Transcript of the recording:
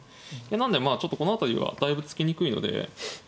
なんでまあこの辺りはだいぶ突きにくいので。